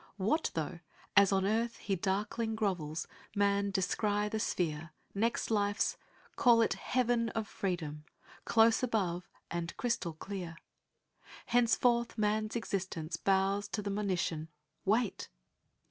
What though, as on earth he darkling grovels, man descry the sphere Next life's — call it, Heaven of freedom .,. Close above and crystal clear ! Henceforth, man's existence bows to the monition — Wait